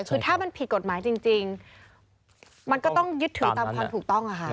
คือถ้ามันผิดกฎหมายจริงมันก็ต้องยึดถือตามความถูกต้องอะค่ะ